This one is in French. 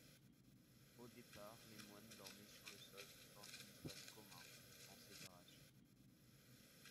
Au départ, les moines dormaient sur le sol, dans un espace commun, sans séparation.